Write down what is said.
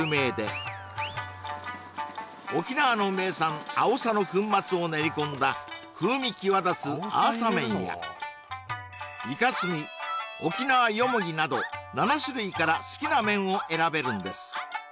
ここは沖縄の名産あおさの粉末を練り込んだ風味際立つアーサ麺やイカスミ沖縄よもぎなど７種類から好きな麺を選べるんです